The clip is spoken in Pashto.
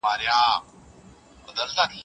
ولي هوډمن سړی د مستحق سړي په پرتله ډېر مخکي ځي؟